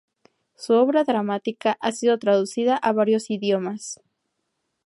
Su obra dramática ha sido traducida a varios idiomas.